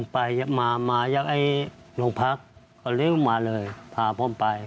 ไปมามาอยากไอ้ลงพักก็เรียกมาเลยพาพ่นไป